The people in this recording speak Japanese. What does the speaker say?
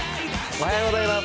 おはようございます。